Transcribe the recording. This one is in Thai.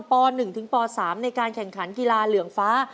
ป๑ถึงป๓ในการแข่งขันกีฬาเหลืองฟ้า